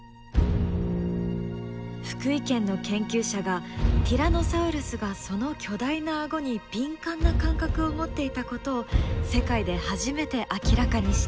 福井県の研究者がティラノサウルスがその巨大な顎に敏感な感覚を持っていたことを世界で初めて明らかにした！